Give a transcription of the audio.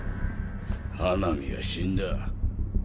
花御は死んだ。